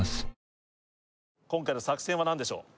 今回の作戦は何でしょう？